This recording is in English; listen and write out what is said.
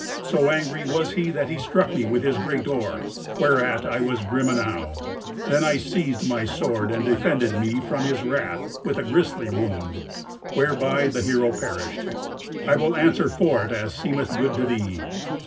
So angry was he that he struck me with his great oar, whereat I was grim enow. Then I seized my sword, and defended me from his wrath with a grisly wound, whereby the hero perished. I will answer for it as seemeth good to thee."